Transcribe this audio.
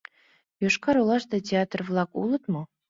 — Йошкар-Олаште театр-влак улыт мо?